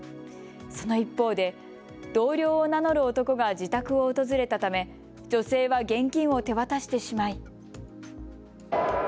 その一方で同僚を名乗る男が自宅を訪れたため女性は現金を手渡してしまい。